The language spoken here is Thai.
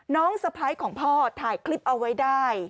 สะพ้ายของพ่อถ่ายคลิปเอาไว้ได้